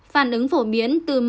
phản ứng phổ biến từ một